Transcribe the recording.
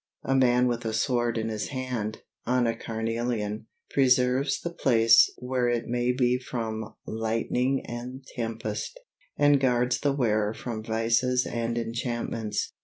A man with a sword in his hand, on a carnelian, preserves the place where it may be from lightning and tempest, and guards the wearer from vices and enchantments.